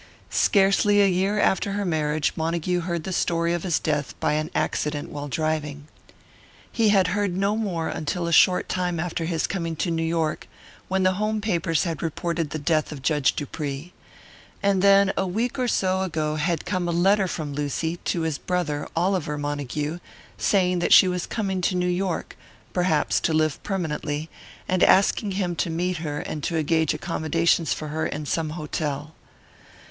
Scarcely a year after her marriage Montague heard the story of his death by an accident while driving. He had heard no more until a short time after his coming to New York, when the home papers had reported the death of Judge Dupree. And then a week or so ago had come a letter from Lucy, to his brother, Oliver Montague, saying that she was coming to New York, perhaps to live permanently, and asking him to meet her and to engage accommodations for her in some hotel.